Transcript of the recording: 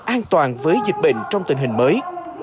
an toàn với dịch bệnh trong tình hình mới